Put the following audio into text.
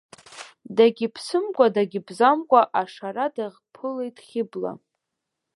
Дагьԥсымкәа-дагьбзамкәа ашара даԥылеит Хьыбла.